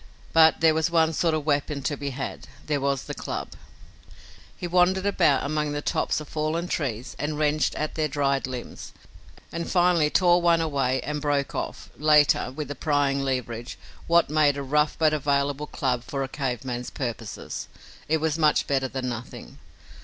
But there was one sort of weapon to be had. There was the club. He wandered about among the tops of fallen trees and wrenched at their dried limbs, and finally tore one away and broke off, later, with a prying leverage, what made a rough but available club for a cave man's purposes. It was much better than nothing.